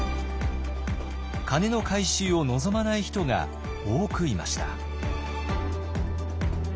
鐘の回収を望まない人が多くいました。